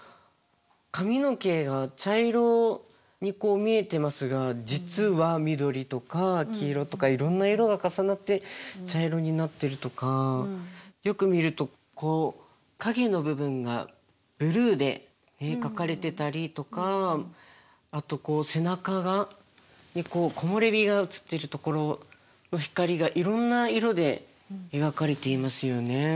髪の毛が茶色に見えてますが実は緑とか黄色とかいろんな色が重なって茶色になってるとかよく見るとこう影の部分がブルーで描かれてたりとかあとこう背中に木漏れ日が映ってるところの光がいろんな色で描かれていますよね。